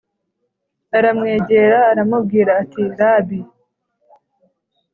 aramwegera aramubwira ati Rabi